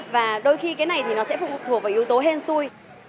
và đôi khi cái này thì nó sẽ phụ thuộc vào yếu tố hen xui